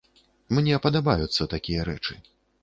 Мне падабаюцца такія рэчы.